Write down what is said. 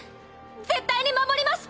絶対に守ります！